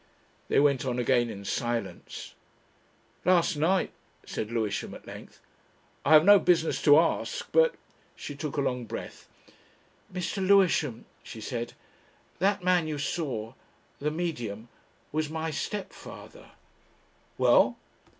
They went on again in silence. "Last night," said Lewisham at length. "I have no business to ask. But " She took a long breath. "Mr. Lewisham," she said. "That man you saw the Medium was my stepfather." "Well?"